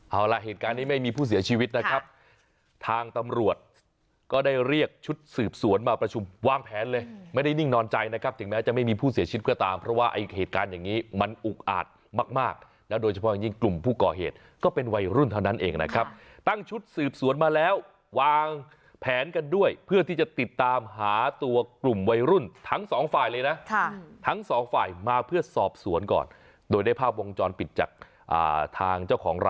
เอาล่ะเหตุการณ์นี้ไม่มีผู้เสียชีวิตนะครับทางตำรวจก็ได้เรียกชุดสืบสวนมาประชุมวางแผนเลยไม่ได้นิ่งนอนใจนะครับถึงแม้จะไม่มีผู้เสียชีพก็ตามเพราะว่าไอ้เหตุการณ์อย่างงี้มันอุ้งอาดมากมากแล้วโดยเฉพาะอย่างงี้กลุ่มผู้ก่อเหตุก็เป็นวัยรุ่นเท่านั้นเองนะครับตั้งชุดสืบสวนมาแล้ววางแผนกัน